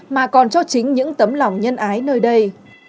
mà còn cho chính những tấm lòng nhân ái nơi đây